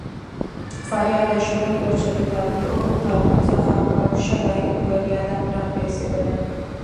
فریاد يې شروع کړ چې له تابوت څخه مړ شوی بنیادم را پاڅېدلی.